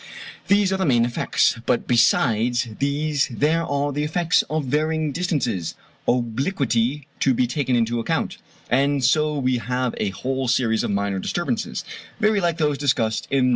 These are the main effects, but besides these there are the effects of varying distances and obliquity to be taken into account; and so we have a whole series of minor disturbances, very like those discussed in No.